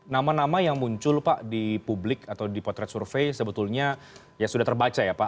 nama nama yang muncul pak di publik atau di potret survei sebetulnya ya sudah terbaca ya pak